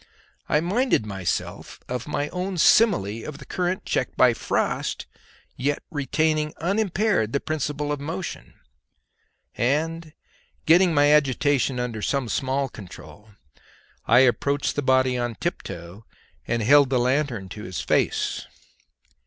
I minded myself of my own simile of the current checked by frost, yet retaining unimpaired the principle of motion; and getting my agitation under some small control, I approached the body on tiptoe and held the lanthorn to its face.